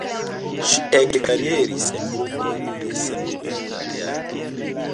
Ŝi ekkarieris en grupoj de sendependa teatro.